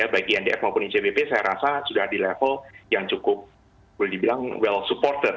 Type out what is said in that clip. baik indf maupun icbp saya rasa sudah di level yang cukup boleh dibilang well supporter